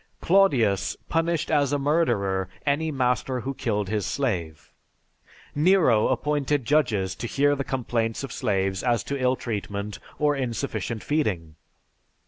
Claudius punished as a murderer any master who killed his slave. Nero appointed judges to hear the complaints of slaves as to ill treatment or insufficient feeding.